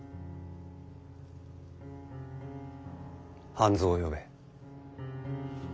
半蔵を呼べ。